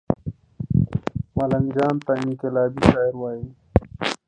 ملنګ جان ته انقلابي شاعر وايي